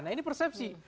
nah ini persepsi